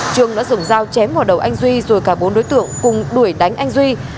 trường đã dùng dao chém vào đầu anh duy rồi cả bốn đối tượng cùng đuổi đánh anh duy